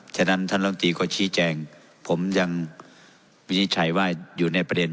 ฉะนั้นท่านลำตีก็ชี้แจงผมยังวินิจฉัยว่าอยู่ในประเด็น